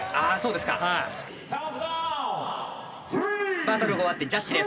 バトルが終わってジャッジです。